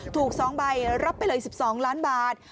ถูก๒ใบรับไปเลย๑๒ล้านบาท